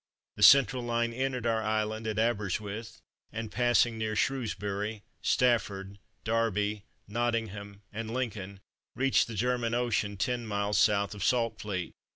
The central line entered our island at Aberystwith, and passing near Shrewsbury, Stafford, Derby, Nottingham, and Lincoln, reached the German Ocean, 10 miles S. of Saltfleet.